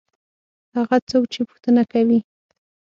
هغه څوک چې پوښتنه کوي.